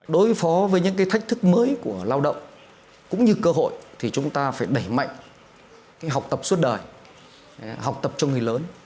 đối phó với những cái thách thức mới của lao động cũng như cơ hội thì chúng ta phải đẩy mạnh học tập suốt đời học tập cho người lớn